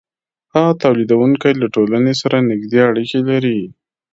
هغه تولیدونکی له ټولنې سره نږدې اړیکې لري